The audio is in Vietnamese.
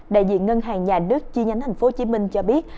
đại diện ngân hàng nhà nước chi nhánh tp hcm cho biết